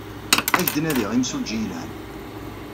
Ad ak-d-nadiɣ imsujji yelhan.